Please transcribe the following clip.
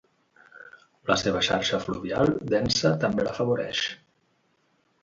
La seva xarxa fluvial densa també l'afavoreix.